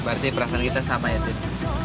berarti perasaan kita sama ya tuh